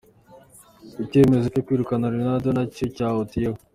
Icyemezo cyo kwirukana Leonardo Jardim nacyo cyahutiyeho".